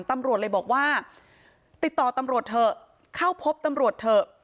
ตำรวจเลยบอกว่าติดต่อตำรวจเถอะเข้าพบตำรวจเถอะ